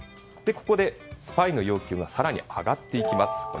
ここでスパイの要求が更に上がっていきます。